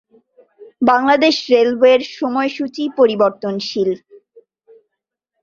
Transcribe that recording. বাংলাদেশ রেলওয়ের সময়সূচী পরিবর্তনশীল।